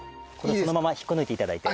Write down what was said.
そのまま引っこ抜いて頂いて。